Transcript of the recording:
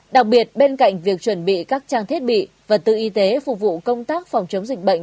đặc biệt bên cạnh việc chuẩn bị các trang thiết bị vật tư y tế phục vụ công tác phòng chống dịch bệnh